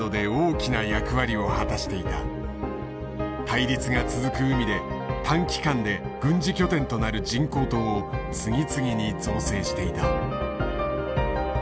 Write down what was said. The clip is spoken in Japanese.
対立が続く海で短期間で軍事拠点となる人工島を次々に造成していた。